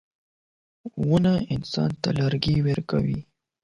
• ونه انسان ته لرګي ورکوي.